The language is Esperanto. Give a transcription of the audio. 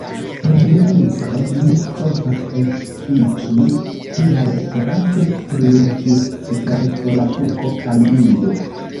En mia libro mi provas ekspliki kial Esperanto triumfis super Volapuko kaj Ido.